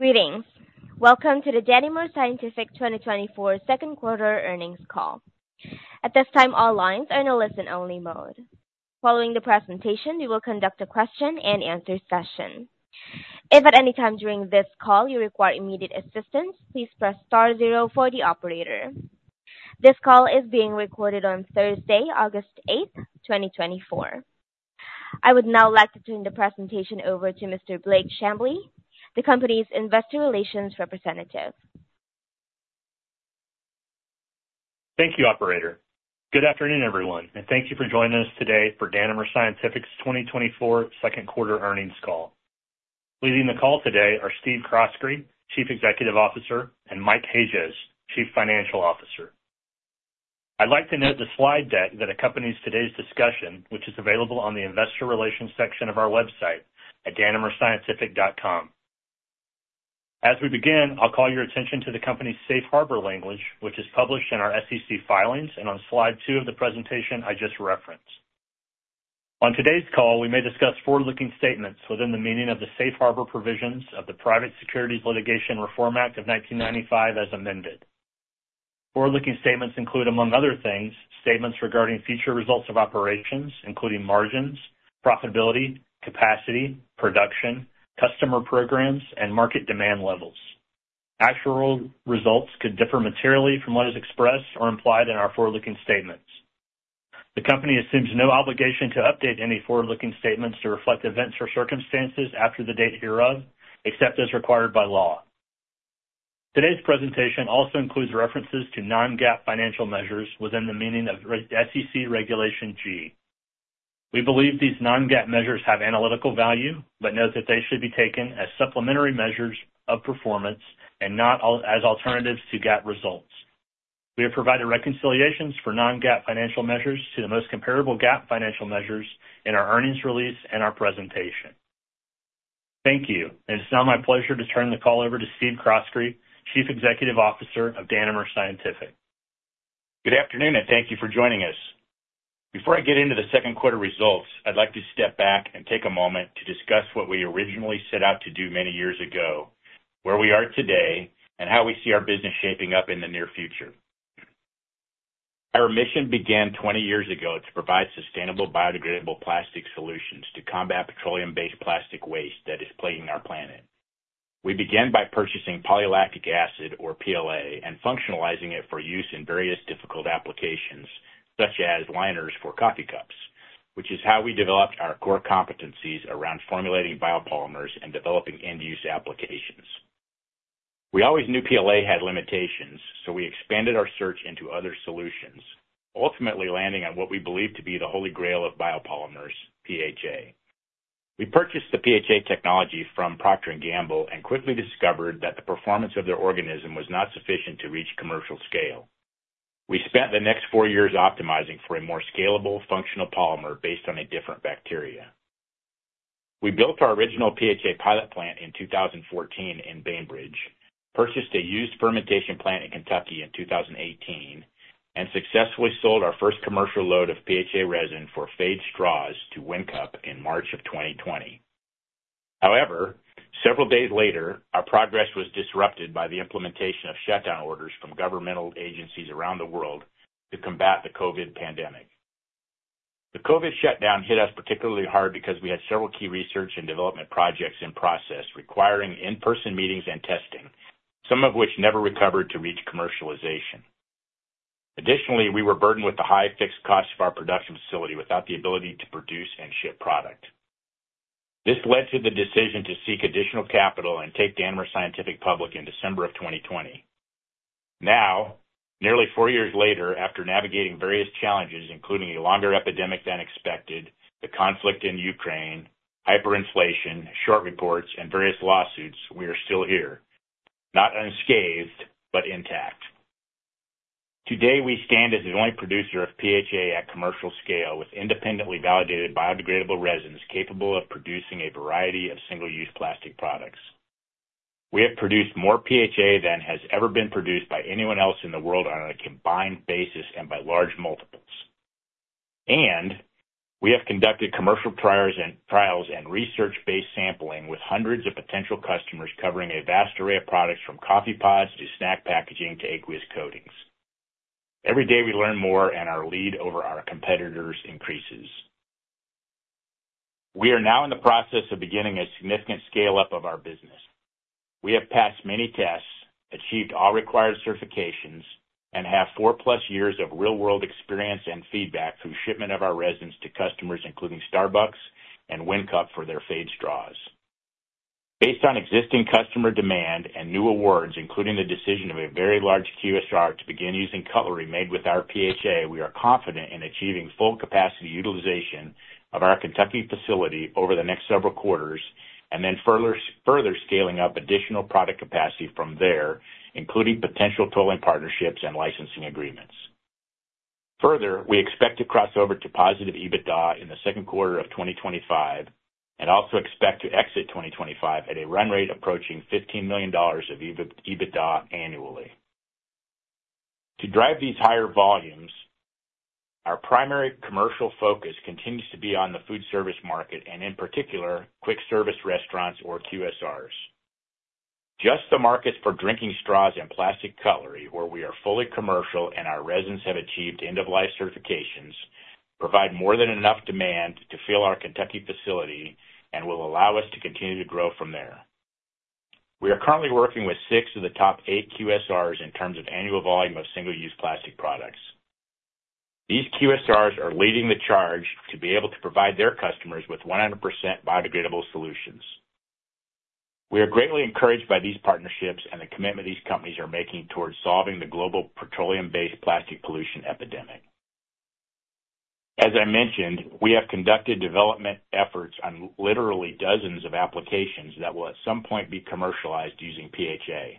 Greetings! Welcome to the Danimer Scientific 2024 second quarter earnings call. At this time, all lines are in a listen-only mode. Following the presentation, we will conduct a question-and-answer session. If at any time during this call you require immediate assistance, please press star zero for the operator. This call is being recorded on Thursday, August 8, 2024. I would now like to turn the presentation over to Mr. Blake Chamblee, the company's investor relations representative. Thank you, operator. Good afternoon, everyone, and thank you for joining us today for Danimer Scientific's 2024 second quarter earnings call. Leading the call today are Steve Croskrey, Chief Executive Officer, and Mike Hajost, Chief Financial Officer. I'd like to note the slide deck that accompanies today's discussion, which is available on the investor relations section of our website at danimerscientific.com. As we begin, I'll call your attention to the company's Safe Harbor language, which is published in our SEC filings and on slide 2 of the presentation I just referenced. On today's call, we may discuss forward-looking statements within the meaning of the Safe Harbor provisions of the Private Securities Litigation Reform Act of 1995, as amended. Forward-looking statements include, among other things, statements regarding future results of operations, including margins, profitability, capacity, production, customer programs, and market demand levels. Actual results could differ materially from what is expressed or implied in our forward-looking statements. The company assumes no obligation to update any forward-looking statements to reflect events or circumstances after the date hereof, except as required by law. Today's presentation also includes references to non-GAAP financial measures within the meaning of SEC Regulation G. We believe these non-GAAP measures have analytical value, but note that they should be taken as supplementary measures of performance and not as alternatives to GAAP results. We have provided reconciliations for non-GAAP financial measures to the most comparable GAAP financial measures in our earnings release and our presentation. Thank you, and it's now my pleasure to turn the call over to Steve Croskrey, Chief Executive Officer of Danimer Scientific. Good afternoon, and thank you for joining us. Before I get into the second quarter results, I'd like to step back and take a moment to discuss what we originally set out to do many years ago, where we are today, and how we see our business shaping up in the near future. Our mission began 20 years ago to provide sustainable, biodegradable plastic solutions to combat petroleum-based plastic waste that is plaguing our planet. We began by purchasing polylactic acid, or PLA, and functionalizing it for use in various difficult applications, such as liners for coffee cups, which is how we developed our core competencies around formulating biopolymers and developing end-use applications. We always knew PLA had limitations, so we expanded our search into other solutions, ultimately landing on what we believe to be the holy grail of biopolymers, PHA. We purchased the PHA technology from Procter & Gamble and quickly discovered that the performance of their organism was not sufficient to reach commercial scale. We spent the next four years optimizing for a more scalable, functional polymer based on a different bacteria. We built our original PHA pilot plant in 2014 in Bainbridge, purchased a used fermentation plant in Kentucky in 2018, and successfully sold our first commercial load of PHA resin for phade straws to WinCup in March of 2020. However, several days later, our progress was disrupted by the implementation of shutdown orders from governmental agencies around the world to combat the COVID pandemic. The COVID shutdown hit us particularly hard because we had several key research and development projects in process requiring in-person meetings and testing, some of which never recovered to reach commercialization. Additionally, we were burdened with the high fixed costs of our production facility without the ability to produce and ship product. This led to the decision to seek additional capital and take Danimer Scientific public in December of 2020. Now, nearly four years later, after navigating various challenges, including a longer epidemic than expected, the conflict in Ukraine, hyperinflation, short reports, and various lawsuits, we are still here, not unscathed, but intact. Today, we stand as the only producer of PHA at commercial scale, with independently validated biodegradable resins capable of producing a variety of single-use plastic products. We have produced more PHA than has ever been produced by anyone else in the world on a combined basis and by large multiples. We have conducted commercial pilots and trials and research-based sampling with hundreds of potential customers, covering a vast array of products from coffee pods to snack packaging to aqueous coatings. Every day, we learn more, and our lead over our competitors increases. We are now in the process of beginning a significant scale-up of our business. We have passed many tests, achieved all required certifications, and have 4+ years of real-world experience and feedback through shipment of our resins to customers, including Starbucks and WinCup, for their phade straws. Based on existing customer demand and new awards, including the decision of a very large QSR to begin using cutlery made with our PHA, we are confident in achieving full capacity utilization of our Kentucky facility over the next several quarters, and then further scaling up additional product capacity from there, including potential tolling partnerships and licensing agreements. Further, we expect to cross over to positive EBITDA in the second quarter of 2025 and also expect to exit 2025 at a run rate approaching $15 million of EBITDA annually. To drive these higher volumes, our primary commercial focus continues to be on the food service market, and in particular, quick service restaurants or QSRs. Just the markets for drinking straws and plastic cutlery, where we are fully commercial and our resins have achieved end-of-life certifications, provide more than enough demand to fill our Kentucky facility and will allow us to continue to grow from there. We are currently working with 6 of the top 8 QSRs in terms of annual volume of single-use plastic products. These QSRs are leading the charge to be able to provide their customers with 100% biodegradable solutions. We are greatly encouraged by these partnerships and the commitment these companies are making towards solving the global petroleum-based plastic pollution epidemic. As I mentioned, we have conducted development efforts on literally dozens of applications that will, at some point, be commercialized using PHA.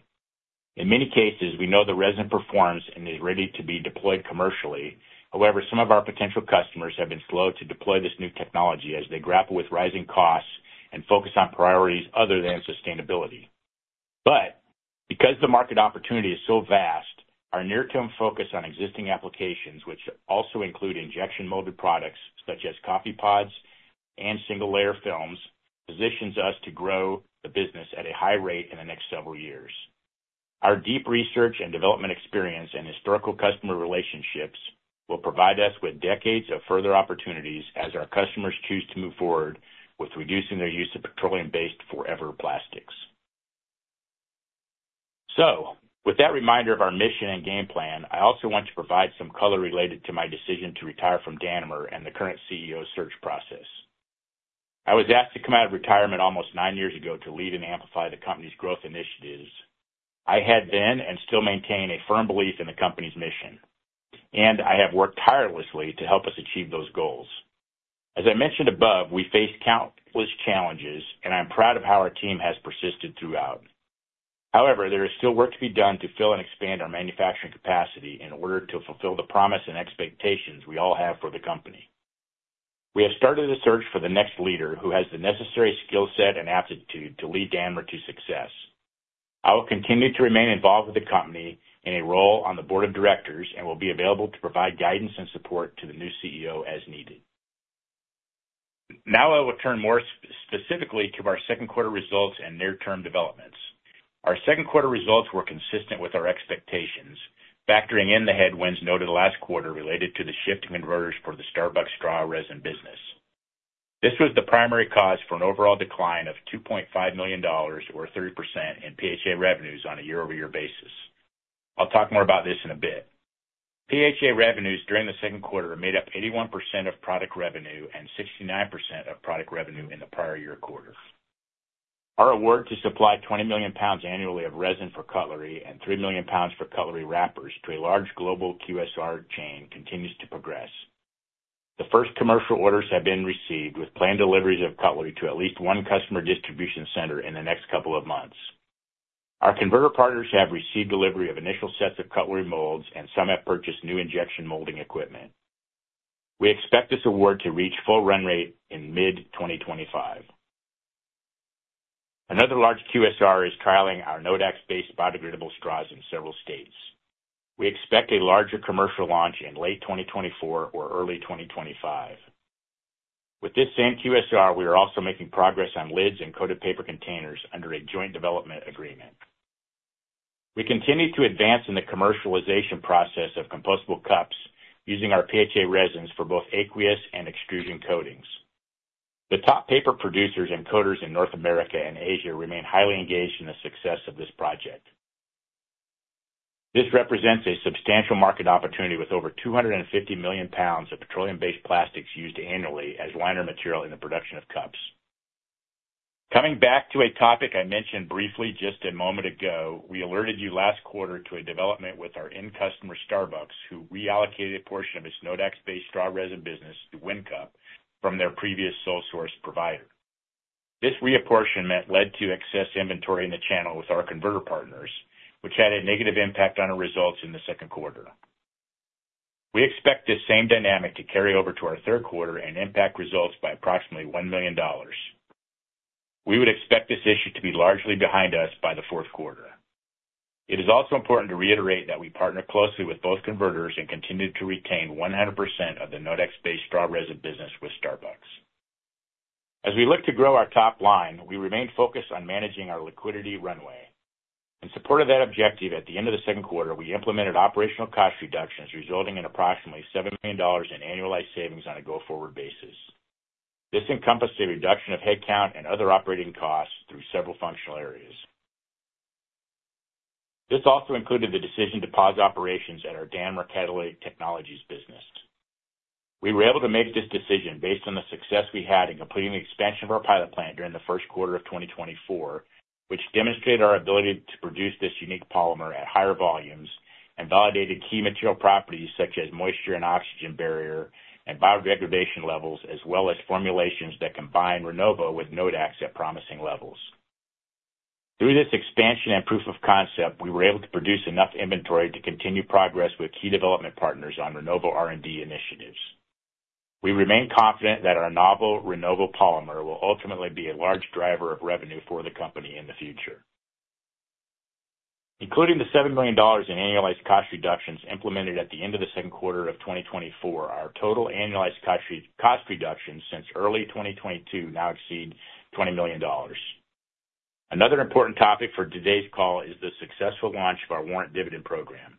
In many cases, we know the resin performs and is ready to be deployed commercially. However, some of our potential customers have been slow to deploy this new technology as they grapple with rising costs and focus on priorities other than sustainability. But because the market opportunity is so vast, our near-term focus on existing applications, which also include injection molded products such as coffee pods and single-layer films, positions us to grow the business at a high rate in the next several years. Our deep research and development experience and historical customer relationships will provide us with decades of further opportunities as our customers choose to move forward with reducing their use of petroleum-based forever plastics. So with that reminder of our mission and game plan, I also want to provide some color related to my decision to retire from Danimer and the current CEO search process. I was asked to come out of retirement almost nine years ago to lead and amplify the company's growth initiatives. I had then and still maintain a firm belief in the company's mission, and I have worked tirelessly to help us achieve those goals. As I mentioned above, we faced countless challenges, and I'm proud of how our team has persisted throughout. However, there is still work to be done to fill and expand our manufacturing capacity in order to fulfill the promise and expectations we all have for the company. We have started a search for the next leader who has the necessary skill set and aptitude to lead Danimer to success. I will continue to remain involved with the company in a role on the board of directors and will be available to provide guidance and support to the new CEO as needed. Now, I will turn more specifically to our second quarter results and near-term developments. Our second quarter results were consistent with our expectations, factoring in the headwinds noted last quarter related to the shift to converters for the Starbucks straw resin business. This was the primary cause for an overall decline of $2.5 million, or 30%, in PHA revenues on a year-over-year basis. I'll talk more about this in a bit. PHA revenues during the second quarter made up 81% of product revenue and 69% of product revenue in the prior year quarter. Our award to supply 20 million pounds annually of resin for cutlery and 3 million pounds for cutlery wrappers to a large global QSR chain continues to progress. The first commercial orders have been received, with planned deliveries of cutlery to at least one customer distribution center in the next couple of months. Our converter partners have received delivery of initial sets of cutlery molds, and some have purchased new injection molding equipment. We expect this award to reach full run rate in mid-2025. Another large QSR is trialing our Nodax-based biodegradable straws in several states. We expect a larger commercial launch in late 2024 or early 2025. With this same QSR, we are also making progress on lids and coated paper containers under a joint development agreement. We continue to advance in the commercialization process of compostable cups using our PHA resins for both aqueous and extrusion coatings. The top paper producers and coaters in North America and Asia remain highly engaged in the success of this project. This represents a substantial market opportunity, with over 250 million pounds of petroleum-based plastics used annually as liner material in the production of cups. Coming back to a topic I mentioned briefly just a moment ago, we alerted you last quarter to a development with our end customer, Starbucks, who reallocated a portion of its Nodax-based straw resin business to WinCup from their previous sole source provider. This reapportionment led to excess inventory in the channel with our converter partners, which had a negative impact on our results in the second quarter. We expect this same dynamic to carry over to our third quarter and impact results by approximately $1 million. We would expect this issue to be largely behind us by the fourth quarter. It is also important to reiterate that we partner closely with both converters and continue to retain 100% of the Nodax-based straw resin business with Starbucks. As we look to grow our top line, we remain focused on managing our liquidity runway. In support of that objective, at the end of the second quarter, we implemented operational cost reductions, resulting in approximately $7 million in annualized savings on a go-forward basis. This encompassed a reduction of headcount and other operating costs through several functional areas. This also included the decision to pause operations at our Danimer Catalytic Technologies business. We were able to make this decision based on the success we had in completing the expansion of our pilot plant during the first quarter of 2024, which demonstrated our ability to produce this unique polymer at higher volumes and validated key material properties such as moisture and oxygen barrier and biodegradation levels, as well as formulations that combine Rinnovo with Nodax at promising levels. Through this expansion and proof of concept, we were able to produce enough inventory to continue progress with key development partners on Rinnovo R&D initiatives. We remain confident that our novel Rinnovo polymer will ultimately be a large driver of revenue for the company in the future. Including the $7 million in annualized cost reductions implemented at the end of the second quarter of 2024, our total annualized cost reductions since early 2022 now exceed $20 million. Another important topic for today's call is the successful launch of our warrant dividend program.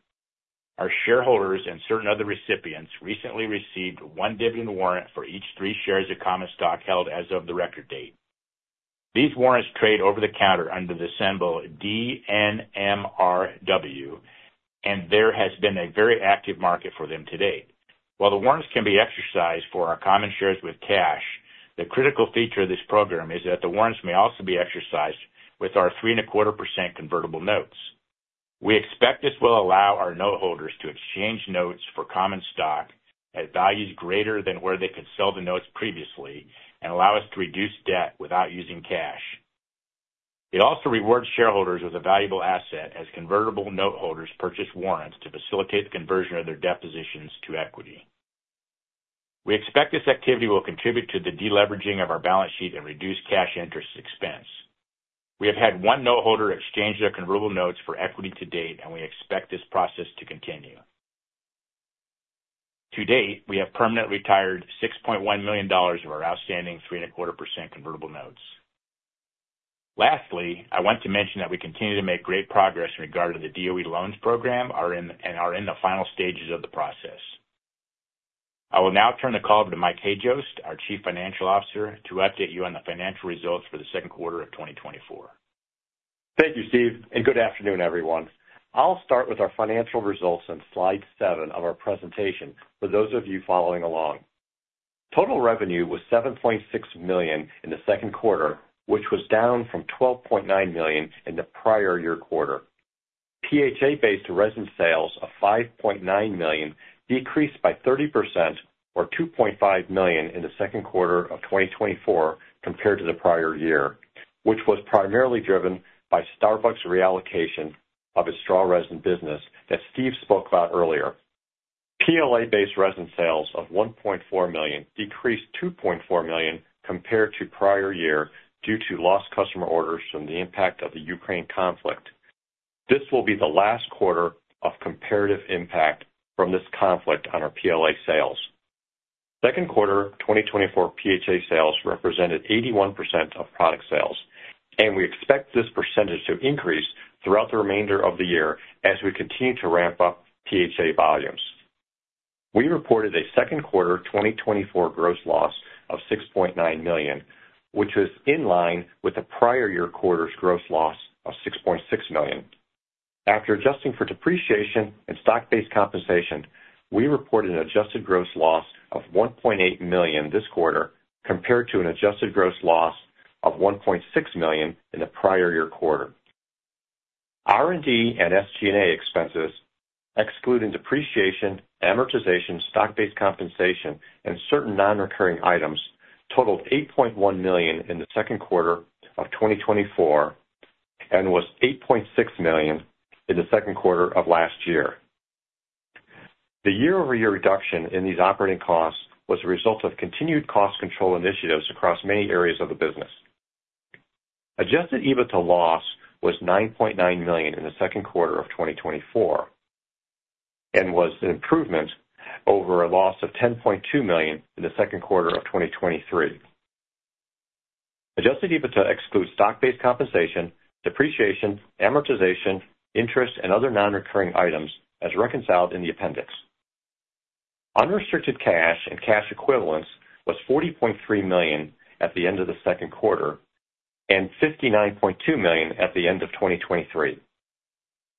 Our shareholders and certain other recipients recently received 1 dividend warrant for each 3 shares of common stock held as of the record date. These warrants trade over-the-counter under the symbol DNMRW, and there has been a very active market for them to date. While the warrants can be exercised for our common shares with cash, the critical feature of this program is that the warrants may also be exercised with our 3.25% convertible notes. We expect this will allow our noteholders to exchange notes for common stock at values greater than where they could sell the notes previously and allow us to reduce debt without using cash. It also rewards shareholders with a valuable asset as convertible noteholders purchase warrants to facilitate the conversion of their debt positions to equity. We expect this activity will contribute to the deleveraging of our balance sheet and reduce cash interest expense. We have had one noteholder exchange their convertible notes for equity to date, and we expect this process to continue. To date, we have permanently retired $6.1 million of our outstanding 3.25% convertible notes. Lastly, I want to mention that we continue to make great progress in regard to the DOE loan program and are in the final stages of the process. I will now turn the call over to Mike Hajost, our Chief Financial Officer, to update you on the financial results for the second quarter of 2024. Thank you, Steve, and good afternoon, everyone. I'll start with our financial results on slide seven of our presentation for those of you following along. Total revenue was $7.6 million in the second quarter, which was down from $12.9 million in the prior year quarter. PHA-based resin sales of $5.9 million decreased by 30% or $2.5 million in the second quarter of 2024 compared to the prior year, which was primarily driven by Starbucks' reallocation of its straw resin business that Steve spoke about earlier. PLA-based resin sales of $1.4 million decreased $2.4 million compared to prior year due to lost customer orders from the impact of the Ukraine conflict. This will be the last quarter of comparative impact from this conflict on our PLA sales. Second quarter 2024 PHA sales represented 81% of product sales, and we expect this percentage to increase throughout the remainder of the year as we continue to ramp up PHA volumes. We reported a second quarter 2024 gross loss of $6.9 million, which was in line with the prior year quarter's gross loss of $6.6 million. After adjusting for depreciation and stock-based compensation, we reported an adjusted gross loss of $1.8 million this quarter, compared to an adjusted gross loss of $1.6 million in the prior year quarter. R&D and SG&A expenses, excluding depreciation, amortization, stock-based compensation, and certain non-recurring items, totaled $8.1 million in the second quarter of 2024, and was $8.6 million in the second quarter of last year. The year-over-year reduction in these operating costs was a result of continued cost control initiatives across many areas of the business. Adjusted EBITDA loss was $9.9 million in the second quarter of 2024 and was an improvement over a loss of $10.2 million in the second quarter of 2023. Adjusted EBITDA excludes stock-based compensation, depreciation, amortization, interest, and other non-recurring items, as reconciled in the appendix. Unrestricted cash and cash equivalents was $40.3 million at the end of the second quarter and $59.2 million at the end of 2023.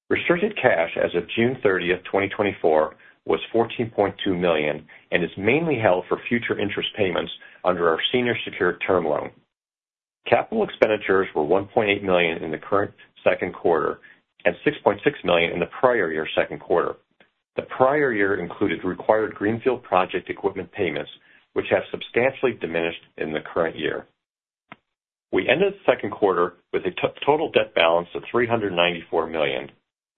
Restricted cash as of June 30, 2024, was $14.2 million and is mainly held for future interest payments under our Senior Secured Term Loan. Capital expenditures were $1.8 million in the current second quarter and $6.6 million in the prior year's second quarter. The prior year included required greenfield project equipment payments, which have substantially diminished in the current year. We ended the second quarter with a total debt balance of $394 million,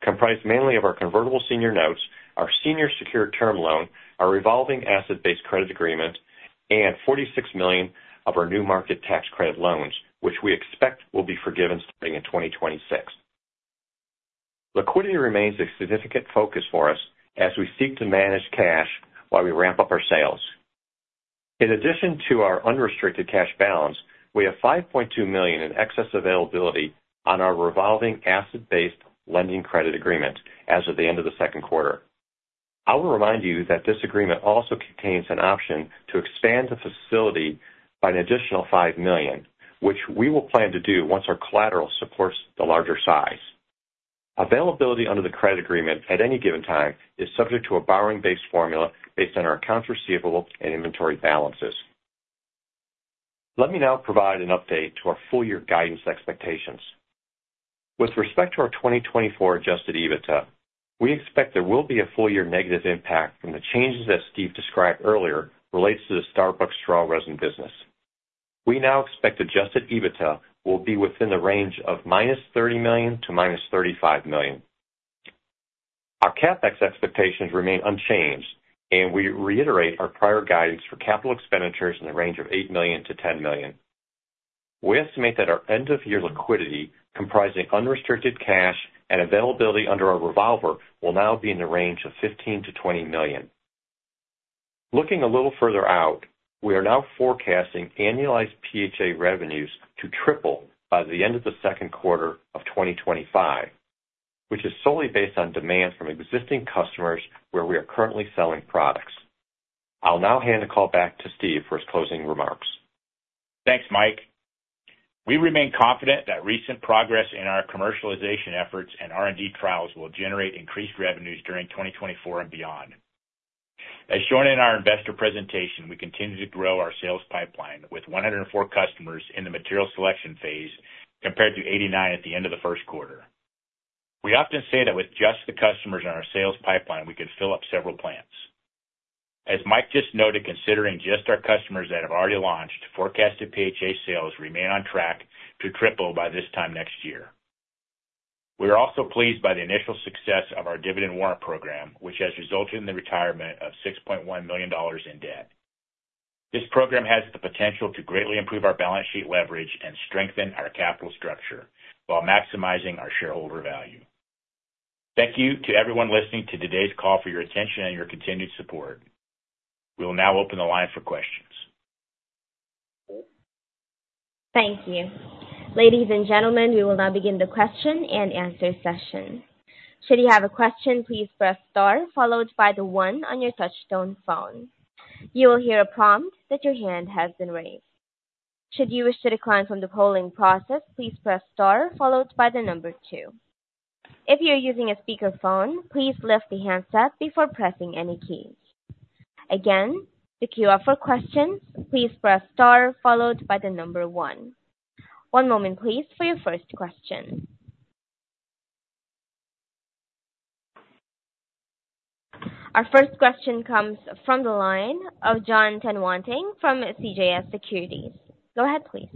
comprised mainly of our Convertible Senior Notes, our Senior Secured Term Loan, our Revolving Asset-Based Credit Agreement, and $46 million of our New Markets Tax Credit loans, which we expect will be forgiven starting in 2026. Liquidity remains a significant focus for us as we seek to manage cash while we ramp up our sales. In addition to our unrestricted cash balance, we have $5.2 million in excess availability on our Revolving Asset-Based Credit Agreement as of the end of the second quarter. I will remind you that this agreement also contains an option to expand the facility by an additional 5 million, which we will plan to do once our collateral supports the larger size. Availability under the credit agreement at any given time is subject to a borrowing-based formula based on our accounts receivable and inventory balances. Let me now provide an update to our full year guidance expectations. With respect to our 2024 Adjusted EBITDA, we expect there will be a full year negative impact from the changes that Steve described earlier relates to the Starbucks straw resin business. We now expect Adjusted EBITDA will be within the range of -$30 million to -$35 million. Our CapEx expectations remain unchanged, and we reiterate our prior guidance for capital expenditures in the range of $8 million-$10 million. We estimate that our end-of-year liquidity, comprising unrestricted cash and availability under our revolver, will now be in the range of $15 million-$20 million. Looking a little further out, we are now forecasting annualized PHA revenues to triple by the end of the second quarter of 2025, which is solely based on demand from existing customers where we are currently selling products. I'll now hand the call back to Steve for his closing remarks. Thanks, Mike. We remain confident that recent progress in our commercialization efforts and R&D trials will generate increased revenues during 2024 and beyond. As shown in our investor presentation, we continue to grow our sales pipeline with 104 customers in the material selection phase, compared to 89 at the end of the first quarter. We often say that with just the customers in our sales pipeline, we could fill up several plants. As Mike just noted, considering just our customers that have already launched, forecasted PHA sales remain on track to triple by this time next year. We are also pleased by the initial success of our dividend warrant program, which has resulted in the retirement of $6.1 million in debt. This program has the potential to greatly improve our balance sheet leverage and strengthen our capital structure while maximizing our shareholder value. Thank you to everyone listening to today's call for your attention and your continued support. We will now open the line for questions. Thank you. Ladies and gentlemen, we will now begin the question and answer session. Should you have a question, please press star followed by 1 on your touchtone phone. You will hear a prompt that your hand has been raised. Should you wish to decline from the polling process, please press star followed by the number 2. If you're using a speakerphone, please lift the handset before pressing any keys. Again, to queue up for questions, please press star followed by the number 1. One moment, please, for your first question. Our first question comes from the line of Jon Tanwanteng from CJS Securities. Go ahead, please.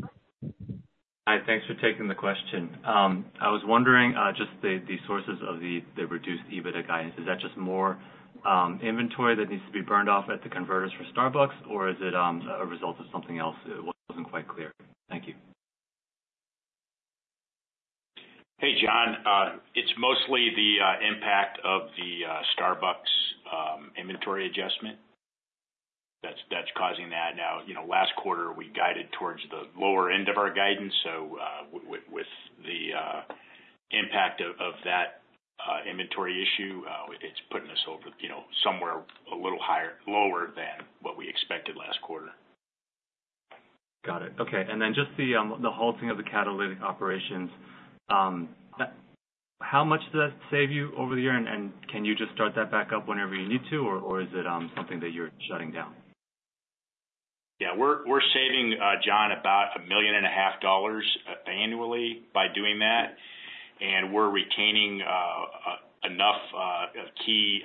Hi, thanks for taking the question. I was wondering, just the sources of the reduced EBITDA guidance. Is that just more inventory that needs to be burned off at the converters for Starbucks, or is it a result of something else? It wasn't quite clear. Thank you. Hey, John. It's mostly the impact of the Starbucks inventory adjustment that's causing that now. You know, last quarter, we guided towards the lower end of our guidance, so with the impact of that inventory issue, it's putting us over, you know, somewhere a little higher-lower than what we expected last quarter. Got it. Okay, and then just the halting of the catalytic operations, that. How much does that save you over the year, and can you just start that back up whenever you need to, or is it something that you're shutting down? Yeah, we're saving, John, about $1.5 million annually by doing that, and we're retaining enough key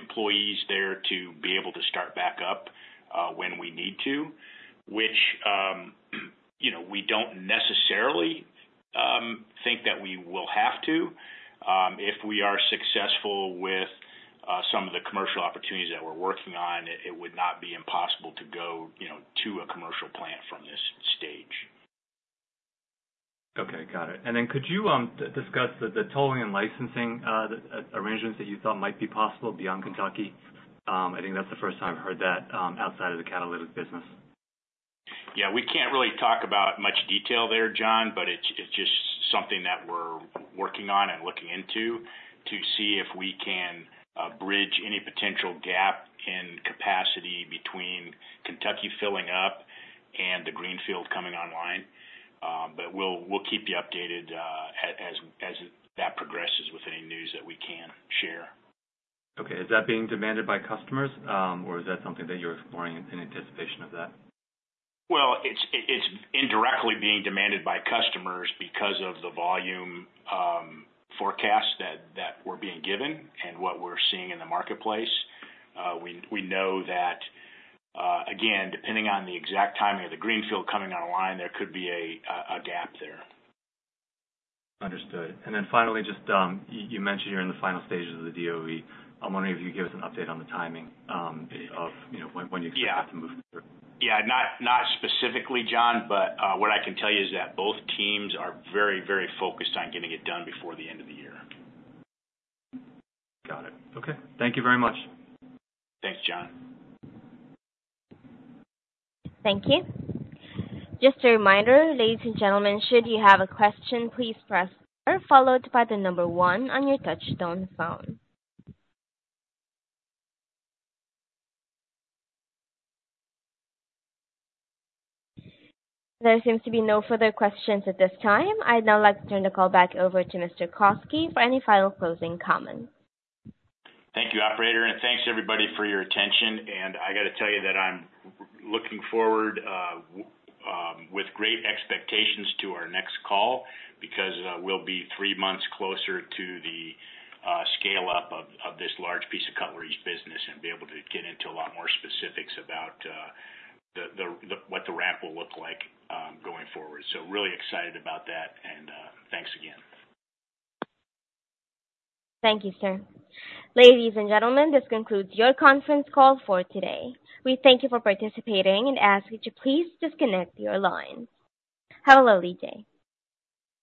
employees there to be able to start back up when we need to, which, you know, we don't necessarily think that we will have to. If we are successful with some of the commercial opportunities that we're working on, it would not be impossible to go, you know, to a commercial plant from this stage. Okay, got it. And then could you discuss the tolling and licensing arrangements that you thought might be possible beyond Kentucky? I think that's the first time I've heard that outside of the catalytic business. Yeah, we can't really talk about much detail there, John, but it's just something that we're working on and looking into to see if we can bridge any potential gap in capacity between Kentucky filling up and the Greenfield coming online. But we'll keep you updated as that progresses with any news that we can share. Okay. Is that being demanded by customers, or is that something that you're exploring in anticipation of that? Well, it's indirectly being demanded by customers because of the volume forecast that we're being given and what we're seeing in the marketplace. We know that, again, depending on the exact timing of the Greenfield coming online, there could be a gap there. Understood. And then finally, just, you mentioned you're in the final stages of the DOE. I'm wondering if you could give us an update on the timing, you know, when you expect that to move through. Yeah. Not, not specifically, John, but what I can tell you is that both teams are very, very focused on getting it done before the end of the year. Got it. Okay. Thank you very much. Thanks, John. Thank you. Just a reminder, ladies and gentlemen, should you have a question, please press star, followed by the number 1 on your touchtone phone. There seems to be no further questions at this time. I'd now like to turn the call back over to Mr. Croskrey for any final closing comments. Thank you, operator, and thanks everybody for your attention, and I got to tell you that I'm looking forward with great expectations to our next call, because we'll be three months closer to the scale-up of this large piece of cutlery business and be able to get into a lot more specifics about what the ramp will look like going forward. So really excited about that, and thanks again. Thank you, sir. Ladies and gentlemen, this concludes your conference call for today. We thank you for participating and ask you to please disconnect your line. Have a lovely day.